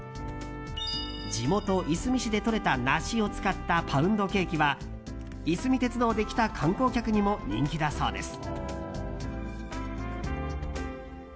地元・いすみ市でとれた梨を使ったパウンドケーキはいすみ鉄道で来た観光客にも人気だそうです。